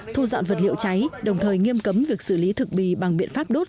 thu dọn vật liệu cháy đồng thời nghiêm cấm việc xử lý thức bi bằng biện pháp đốt